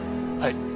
はい。